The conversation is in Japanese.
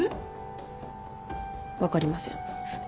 分かりません。